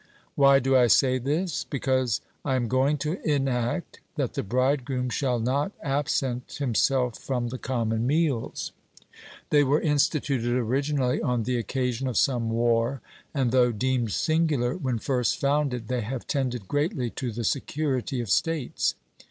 Why do I say this? Because I am going to enact that the bridegroom shall not absent himself from the common meals. They were instituted originally on the occasion of some war, and, though deemed singular when first founded, they have tended greatly to the security of states.